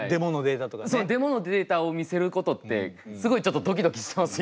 デモのデータを見せることってすごいちょっとドキドキしてます